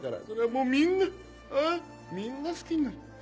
それはもうみんなみんな好きになる。